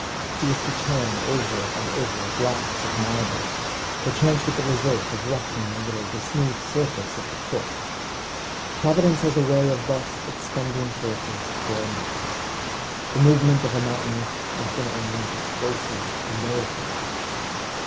He was to turn over and over blocks of marble, perchance with the result of ruffling a little the smooth surface of the court! Providence has a way of thus expending forces grandly. The movement of a mountain often only displaces a molehill.